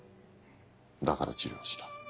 だから治療をした。